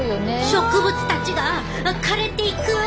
植物たちが枯れていく！